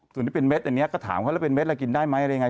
ส่วนที่เป็นเม็ดอันนี้ก็ถามเขาแล้วเป็นเม็ดแล้วกินได้ไหมอะไรยังไง